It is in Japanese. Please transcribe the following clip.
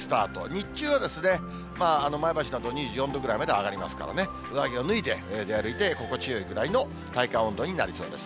日中は前橋など２４度ぐらいまで上がりますからね、上着を脱いで出歩いて、心地よいぐらいの体感温度になりそうです。